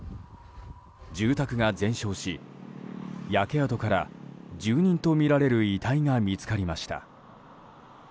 住宅が全焼し焼け跡から住人とみられる遺体が見つかりました。